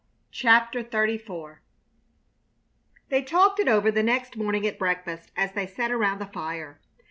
CHAPTER XXXIV They talked it over the next morning at breakfast as they sat around the fire.